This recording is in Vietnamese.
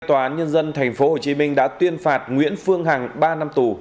tòa án nhân dân tp hcm đã tuyên phạt nguyễn phương hằng ba năm tù